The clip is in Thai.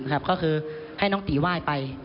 ก็คือให้น้องตีไหว้ไป